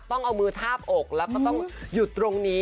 ต้องเอามือทาบอกแล้วก็ต้องหยุดตรงนี้